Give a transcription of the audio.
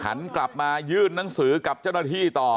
หันกลับมายื่นหนังสือกับเจ้าหน้าที่ต่อ